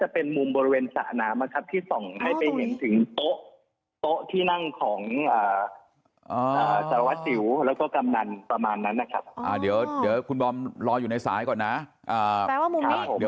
ผมเอาอยู่ในสายก่อนนะ